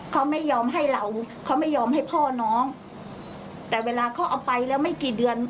เขาไม่ยอมให้เราเขาไม่ยอมให้พ่อน้องแต่เวลาเขาเอาไปแล้วไม่กี่เดือน